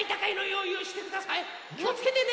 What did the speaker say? きをつけてね。